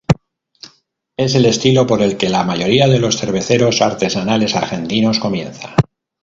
Es el estilo por el que la mayoría de cerveceros artesanales argentinos comienza.